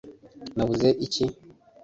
nabuze iki